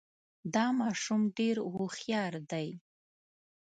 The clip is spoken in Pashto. دا ماشوم ډېر هوښیار دی